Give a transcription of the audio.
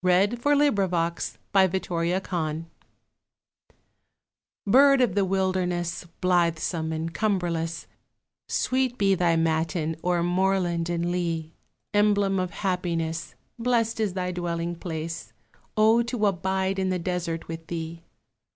THE SKYLARK Bird of the wilderness, Blythesome and cumberless, Sweet be thy matin o'er moorland and lea! Emblem of happiness, Blest is thy dwelling place O to abide in the desert with thee!